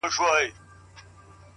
نه پنډت ووهلم; نه راهب فتواء ورکړه خو;